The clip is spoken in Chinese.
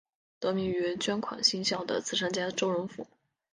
得名于捐款兴校的慈善家周荣富。